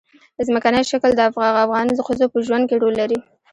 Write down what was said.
ځمکنی شکل د افغان ښځو په ژوند کې رول لري.